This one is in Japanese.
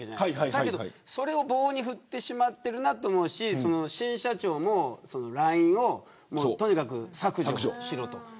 でも、それを棒に振ってしまっているなと思うし新社長もラインをとにかく削除しろと。